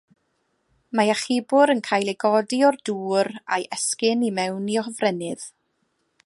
Mae achubwr yn cael ei godi o'r dŵr a'i esgyn i mewn i hofrennydd.